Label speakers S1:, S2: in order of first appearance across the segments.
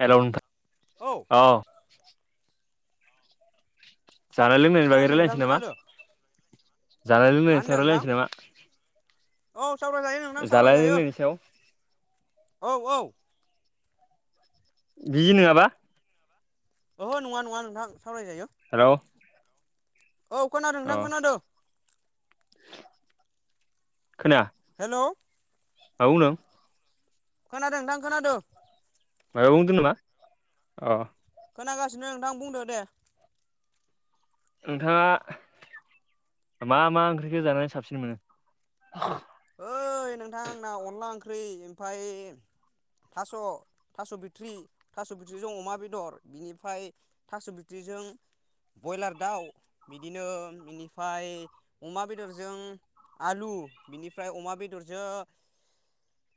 S1: हेल नोंथां औ जानाय लोंनायनि बागै
S2: खोनादों नोंथां
S1: रायजलायनोसै नामा
S2: खोनादों
S1: जानाय
S2: मा
S1: लोंनायनि
S2: होनदों
S1: सायाव
S2: नोंथां
S1: रायलायनोसै नामा।
S2: औ सावरायजायो नोंथां
S1: जानाय
S2: सावरायजायो
S1: लोंनायनि सायाव
S2: औ-औ।
S1: बिजजि नङाबा
S2: ओहो नङा-नङा नोंथां सावराय जायो।
S1: हेलौ
S2: औ खोनादों नोंथां
S1: अ
S2: खोनादों।
S1: खोनाया
S2: हेल'
S1: [unintelligible]
S2: खोनादों नोंथां खोनादों
S1: मायबा बुंदों नामा अ
S2: खोनागासिनो नोंथां बुंदो दे
S1: नोंथाङा मा मा ओंख्रिखौ जानानै साबसिन मोनो?
S2: ओइ नोंथां आंना अनला ओंख्रि ओमफाय थास' थास' बिथ्रि थास' बिथ्रिजों अमा बेदर बिनिफ्राय थास' बिथ्रि जों ब्रयलार दाउ बिदिनो बिनिफाय अमा बेदरजों आलु बिनिफ्राय अमा बेदरजों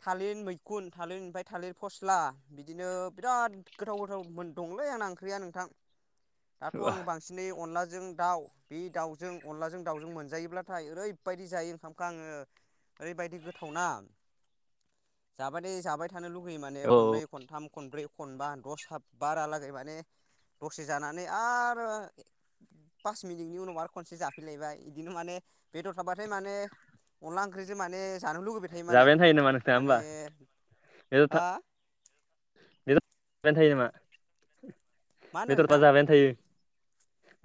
S2: थालिर मैखुन थालिर ओमफ्राय थालिर फस्ला बिदिनो बिराद गोथाव गोथाव मोनदों। दंलै आंना ओंख्रिया नोंथां दाथ' आं बांसिनै अनलाजों जों दाउ बे दाउजों अनलाजों दाउजों मोनजायोब्लाथाय ओरैबायदि जायो ओंखामखौ आङो ओरैबायदि गोथाव न जाबाय दे जाबाय थानो लुगैयो माने
S1: औ
S2: एनै खनथाम खनब्रै खनबा दस साथ बारालागै माने दसे जानानै आरो पास मिनिटनि उनाव आरो खनसे जाफैलायबाय बिदिनो माने बेदर थाबाथाय माने अनला ओंख्रिजों माने जानो लुुबैबाय थायो माने
S1: जाबायानो नामा नोंथाङा
S2: माने
S1: होमबा
S2: हा
S1: बेद जाबायानो थायो नामा
S2: मा होनो
S1: बेदरबा
S2: नोंथां
S1: जाबायानो थायो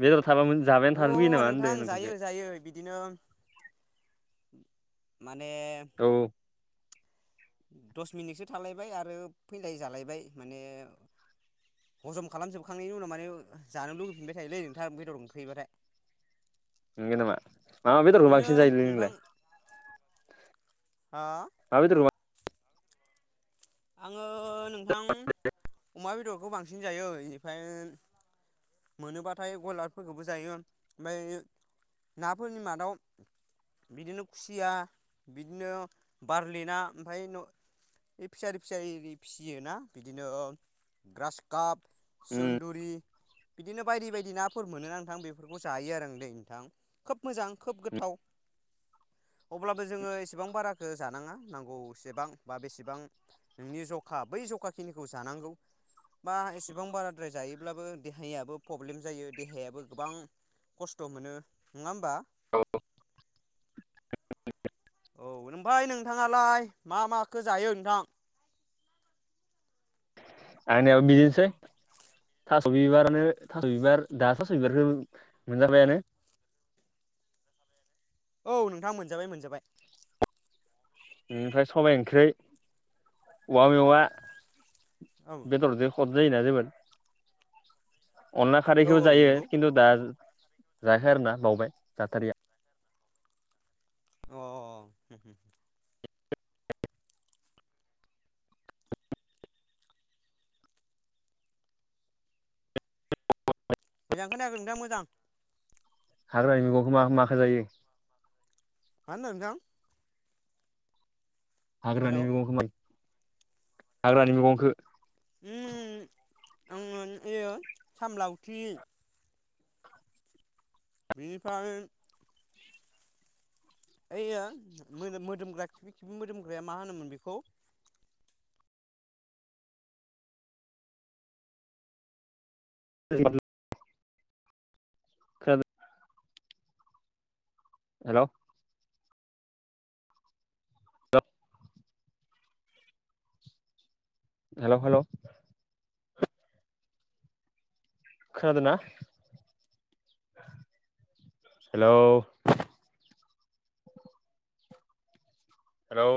S1: बेदर थाबा
S2: अ
S1: जाबायानो थानो लुबैयो नामा होनदों
S2: नोंथां जायो
S1: नोंथांखौ?
S2: जायो बिदिनो माने
S1: औ
S2: दस मिनिटसो थालायबाय आरो फैलाय जालायबाय माने हजम खालामजोबखांनायनि उनाव माने जानो लुगैफिनबाय थायोलै नोंथाङा बेदर ओंख्रिबाथाय
S1: नंगौ नामा मा मा बेदरखौ
S2: बिदिनो
S1: बांसिन जायो
S2: नोंथां
S1: नोंलाय
S2: हा
S1: मा बेदरमोन?
S2: आङो नोंथां अमा बेदरखौ बांसिन जायो बेनिफ्राय मोनोबाथाय बयलारफोरखौबो जायो ओमफ्राय नाफोरनि मादाव बिदिनो खुसिया बिदिनो बारलि ना ओमफ्राय फिसारि फिसारि फिसियोना बिदिनो ग्रास काप
S1: बांसिन उम
S2: सन्दुरि बिदिनो बायदि बायदि नाफोर मोनोना नोंथां बेफोरखौ जायो आरो आं दै नोंथां खोब मोजां खोब गोथाव अब्लाबो जोङो एसेबां बाराखौ जानाङा नांगौ एसेबां बा बेसेबां नोंनि जखा बै जखा खिनिखौ जानांगौ बा एसेबां बाराद्राय जायोब्लाबो देहायाबो प्रब्लेम जायो देहायाबो गोबां खस्थ' मोनो नङा होनबा?
S1: [unintelligible]
S2: औ ओमफ्राय नोंथाङालाय मा माखौ जायो नोंथां?
S1: आंनियाबो बिदिनोसै थास' बिबारानो थास' बिबार दा थास' बिबारखौ मोनजाबायानो [inaudible]
S2: औ नोंथाङा मोनजाबाय मोनजाबाय
S1: बेनिफ्राय सबाइ ओंख्रि औवा
S2: औ
S1: मेवाइ बेदरजों खोब जायोना जोबोद अनला
S2: औ
S1: खारैखौबो
S2: औ
S1: जायो
S2: नंगौ
S1: खिन्थु दा जायाखै आरोना बावबाय जाथारिया
S2: अह मोजां खोनायाखै नोंथां मोजां
S1: हाग्रानि मैगंखौ मा माखौ जायो?
S2: मा होनदों नोंथां? हेल'
S1: हाग्रानि मेगंखो हाग्रानि मेगंखो
S2: उम आङो‌ इयो साम लावथि बेनिफ्राय ओइयो मोदोम मोदोमग्रा खिफि-खिफि मोदोमग्राया मा होनोमोन बेखौ?
S1: [unintelligible] खोनादो हेलौ हेलौ हेलौ खोनादोंना? Hello hello